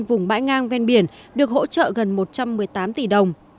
vùng bãi ngang ven biển được hỗ trợ gần một trăm một mươi tám tỷ đồng